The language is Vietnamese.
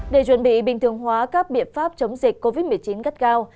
để chuẩn bị bình thường hóa các biện pháp chống dịch covid một mươi chín gắt gao